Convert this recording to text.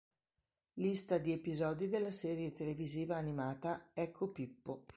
Lista di episodi della serie televisiva animata Ecco Pippo!.